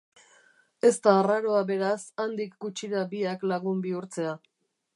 Ez da arraroa, beraz, handik gutxira biak lagun bihurtzea.